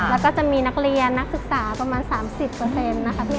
แล้วก็จะมีนักเรียนนักศึกษาประมาณสามสิบเปอร์เซ็นต์นะคะพี่แอด